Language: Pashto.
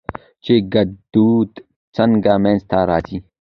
چې ګړدود څنګه منځ ته راځي؟